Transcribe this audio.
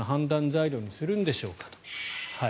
材料にするんでしょうかと。